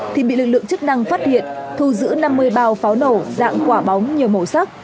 thì bị lực lượng chức năng phát hiện thu giữ năm mươi bao pháo nổ dạng quả bóng nhiều màu sắc